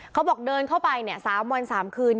เขาบอกเดินเข้าไปเนี่ยสามวันสามคืน